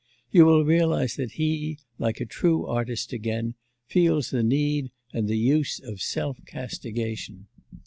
You will realise that he, like a true artist again, feels the need and the use of self castigation.